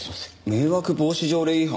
「迷惑防止条例違反」？